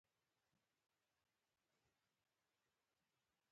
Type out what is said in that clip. د ډیموکراسۍ د بازار دلالانو سر خلاص کړای شي.